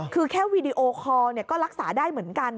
คือแค่วีดีโอคอร์ก็รักษาได้เหมือนกัน